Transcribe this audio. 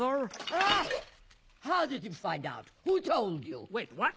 あっ！